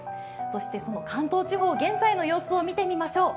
そしてその関東地方、現在の様子を見てみましょう。